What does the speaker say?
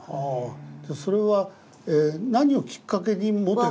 それは何をきっかけに元へ戻る。